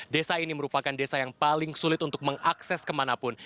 desa ini merupakan desa yang paling sulit untuk mengakses kemanapun